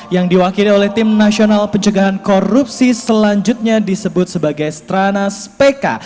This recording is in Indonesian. yang diwakili oleh tim nasional pencegahan korupsi selanjutnya disebut sebagai stranas pk